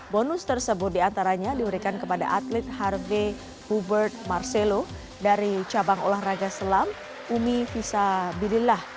bonus tersebut diantaranya diberikan kepada atlet harvey hubert marcelo dari cabang olahraga selam umi visa bidillah